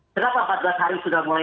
kenapa empat belas hari sudah mulai